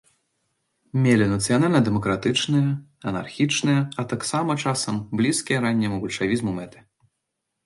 Мелі нацыянальна-дэмакратычныя, анархічныя, а таксама, часам, блізкія ранняму бальшавізму мэты.